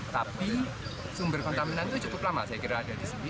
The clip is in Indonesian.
tapi sumber pertamina itu cukup lama saya kira ada di sini